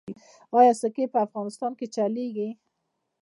آیا سکې په افغانستان کې چلیږي؟